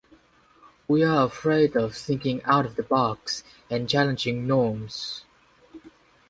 We are afraid of thinking out of the box and challenging norms.